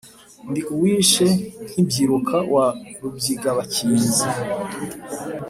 Ndi uwishe nkibyiruka wa Rubyigabakinzi;